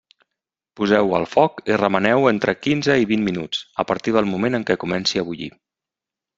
Poseu-ho al foc i remeneu-ho entre quinze i vint minuts, a partir del moment en què comenci a bullir.